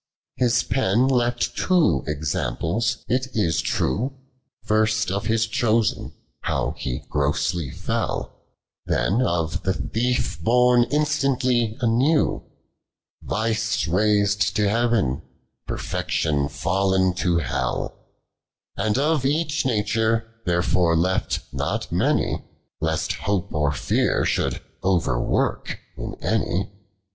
His pen letl two examples, it is true ; First of His chosen, how he grossly fell ;* Then, of the thief bom instantly anew ; Viee raisM to lieaven, perfection fall'n to hell ; And of each nature therefore left not many, I^'st hope, or fear, should over work in any.